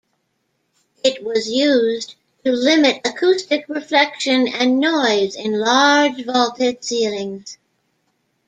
It was used to limit acoustic reflection and noise in large vaulted ceilings.